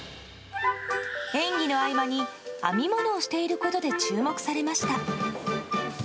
演技の合間に編み物をしていることで注目されました。